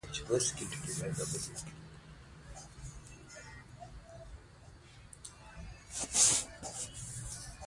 تذکره د شاعرانو پر ژوند باندي لیکل کېږي.